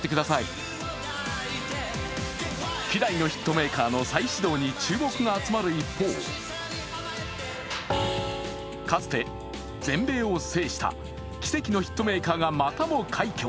メーカ−の再始動に注目が集まる一方、かつて全米を制した奇跡のヒットメーカーが、またも快挙。